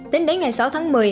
tính đến ngày sáu tháng một mươi